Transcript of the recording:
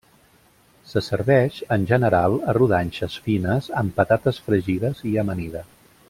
Se serveix en general a rodanxes fines amb patates fregides i amanida.